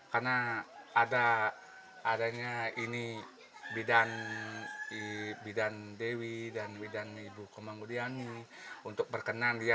karena ada adanya ini bidang bidan dewi dan bidang ibu komangudiani untuk berkenan dia